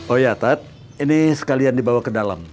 oh ya tat ini sekalian dibawa ke dalam